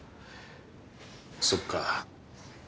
そっか。